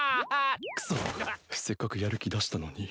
くそせっかくやる気出したのに。